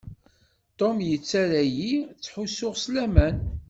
Tom yettarra-yi ttḥussuɣ s laman.